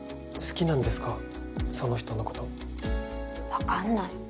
わかんない。